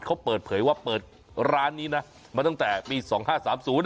เขาเปิดเผยว่าเปิดร้านนี้นะมาตั้งแต่ปี๒๕๓๐